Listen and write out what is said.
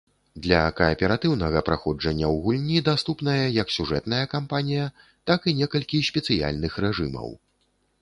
Для кааператыўнага праходжання ў гульні даступная як сюжэтная кампанія, так і некалькі спецыяльных рэжымаў.